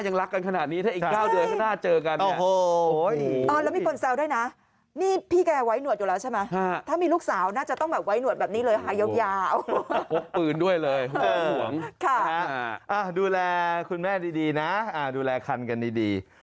อย่างงั้นยังไม่เจอหน้ายังรักกันขนาดนี้